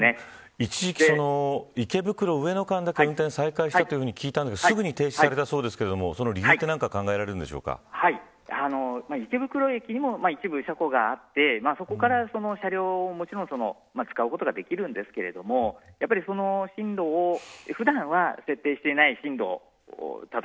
一時期、池袋、上野間だけ運転再開したと聞いたんですがすぐに停止されたそうですがその理由は何か考えら池袋駅にも、一部車庫があってそこから車両を、もちろん使うことができるんですがやっぱりその進路を普段は設定していない進路